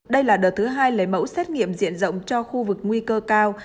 đây là đợt thứ hai lấy mẫu xét nghiệm diện rộng cho khu vực nguy cơ cao